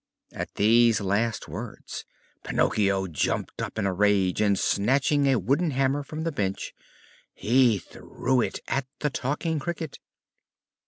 At these last words Pinocchio jumped up in a rage and, snatching a wooden hammer from the bench, he threw it at the Talking Cricket.